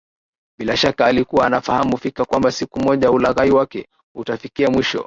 Bila shaka alikuwa anafahamu fika kwamba siku moja ulaghai wake utafikia mwisho